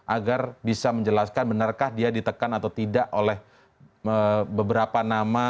agar bisa menjelaskan benarkah dia ditekan atau tidak oleh beberapa nama